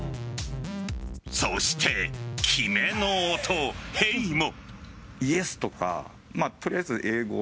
そして、決めの音・ヘイ！も。